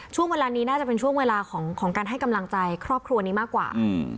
ช่วงเวลานี้น่าจะเป็นช่วงเวลาของการให้กำลังใจครอบครัวนี้มากกว่า